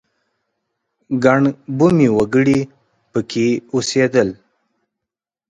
ګڼ بومي وګړي په کې اوسېدل.